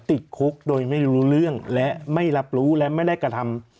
ติดคุกโดยไม่รู้เรื่องและไม่รับรู้และไม่ได้กระทำ